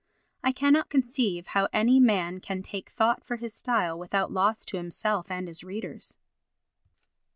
I cannot conceive how any man can take thought for his style without loss to himself and his readers.